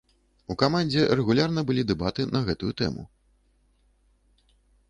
У камандзе рэгулярна былі дэбаты на гэтую тэму.